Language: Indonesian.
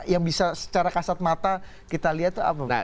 yang bisa secara kasat mata kita lihat tuh apa pak fahri